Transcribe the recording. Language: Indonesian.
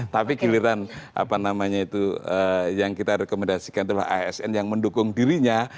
tapi giliran apa namanya itu yang kita rekomendasikan adalah asn yang mendukung dirinya